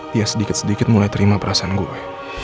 dia sedikit sedikit mulai terima perasaan gue